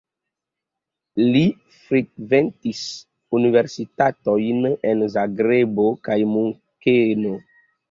Li frekventis universitatojn en Zagrebo kaj Munkeno.